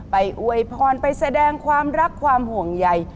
อวยพรไปแสดงความรักความห่วงใย